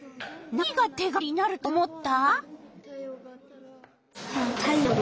何が手がかりになると思った？